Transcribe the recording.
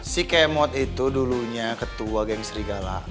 si kemot itu dulunya ketua geng serigala